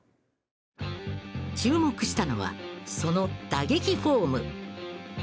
注目したのはその打撃フォーム。